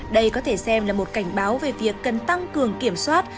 đây có thể xem là một cảnh báo về việc cần tăng cường kiểm soát